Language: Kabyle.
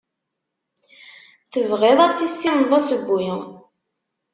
Tebɣiḍ ad tissineḍ asewwi.